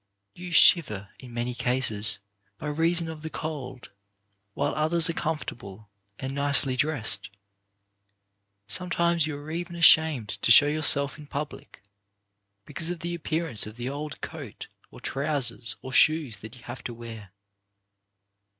You shiver, in many cases, by reason of the cold, while others are comfortable and nicely dressed. Sometimes you are even ashamed to show your self in public, because of the appearance of the 54 CHARACTER BUILDING old coat, or trousers, or shoes that you have to wear.